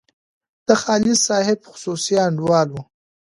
د خالص صاحب خصوصي انډیوال وو.